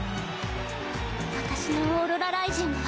私のオーロラライジングは。